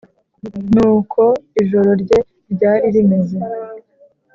n’uko ijoro rye ryari rimeze,